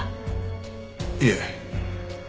いえ。